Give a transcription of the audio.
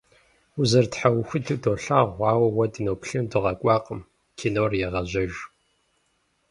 Узэрытхьэӏухудыр долъагъу, ауэ уэ дыноплъыну дыкъэкӏуакъым, кинор егъэжьэж.